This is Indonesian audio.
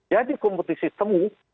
jadi kompetisi semu